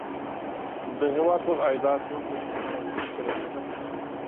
د هیواد ټول عایدات یو دېرش میلیونه روپیو ته رسېدل.